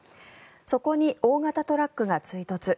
そこに大型トラックが追突。